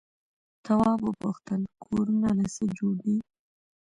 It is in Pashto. تواب وپوښتل کورونه له څه جوړ دي؟